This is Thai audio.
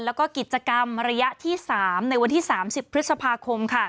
แล้วก็กิจกรรมระยะที่๓ในวันที่๓๐พฤษภาคม